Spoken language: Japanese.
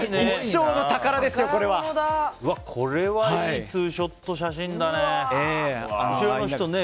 いいツーショット写真だね。